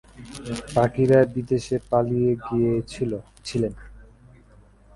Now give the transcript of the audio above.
বাকিরা বিদেশে পালিয়ে গিয়েছিলেন।